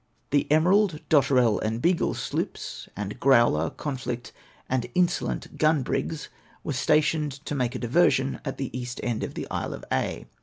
The Emerald, Dotterel, and Beagle sloops, and Growler, Conflict, and Insolent gun brigs, were stationed to make a diversion at the east end of the Isle of Aix.